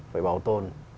phải bảo tồn